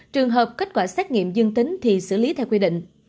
trường hợp kết quả xét nghiệm dương tính thì xử lý theo quy định